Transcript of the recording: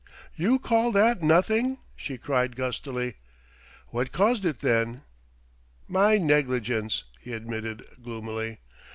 "You call that nothing!" she cried gustily. "What caused it, then?" "My negligence," he admitted gloomily.